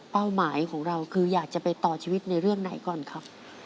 หมายของเราคืออยากจะไปต่อชีวิตในเรื่องไหนก่อนครับ